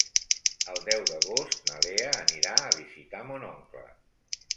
El deu d'agost na Lea anirà a visitar mon oncle.